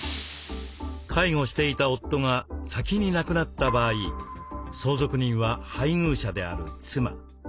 介護していた夫が先に亡くなった場合相続人は配偶者である妻。